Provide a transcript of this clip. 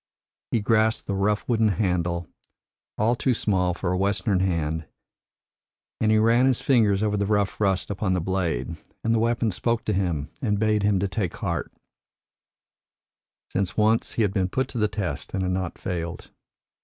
He grasped the rough wooden handle, all too small for a Western hand, and he ran his fingers over the rough rust upon the blade, and the weapon spoke to him and bade him take heart, since once he had been put to the test and had not failed.